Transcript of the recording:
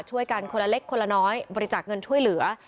ช่วยกันคนละเล็กคนละน้อยบริจาคเงินช่วยเหลือ